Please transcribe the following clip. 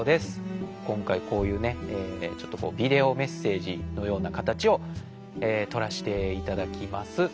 こんかいこういうねちょっとビデオメッセージのようなかたちをとらしていただきます。